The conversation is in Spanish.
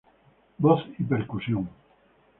Voz y Percusión.